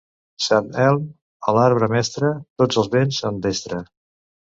Sant Elm a l'arbre mestre, tots els vents en destre.